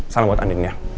salam buat andin ya